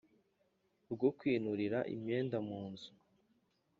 Rwo kwanurira imyenda mu nzu